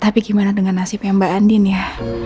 tapi gimana dengan nasibnya mbak andin ya